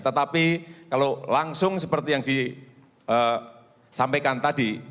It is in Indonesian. tetapi kalau langsung seperti yang disampaikan tadi